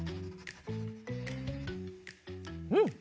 うん！